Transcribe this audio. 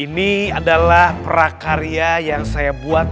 ini adalah prakarya yang saya buat